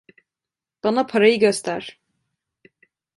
Bana parayı göster!